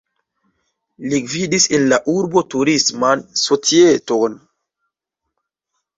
Li gvidis en la urbo turisman societon.